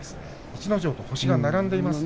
逸ノ城と星が並んでいます。